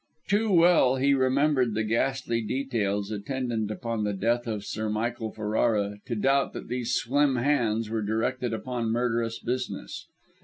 Too well he remembered the ghastly details attendant upon the death of Sir Michael Ferrara to doubt that these slim hands were directed upon murderous business.